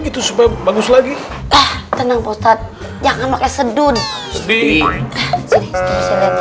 bagus bagus lagi tenang postat jangan pakai sedun sedih sedih